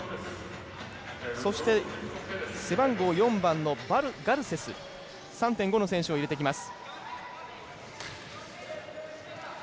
そして、背番号４番のガルセス３．５の選手を入れてきます。